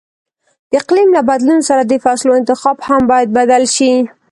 د اقلیم له بدلون سره د فصلو انتخاب هم باید بدل شي.